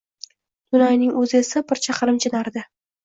Dunayning oʻzi esa bir chaqirimcha narida.